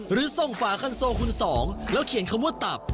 หรือส่งฝาคันโซคุณสองแล้วเขียนคำว่าตับ